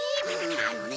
あのね